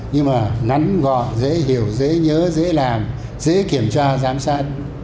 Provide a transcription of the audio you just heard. nhưng mà nắn gọi dễ hiểu dễ nhớ dễ làm dễ kiểm tra giám sát